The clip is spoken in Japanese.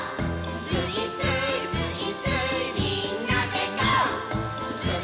「スイスーイスイスーイみんなでゴー！」